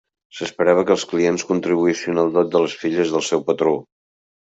S'esperava que els clients contribuïssin al dot de les filles del seu patró.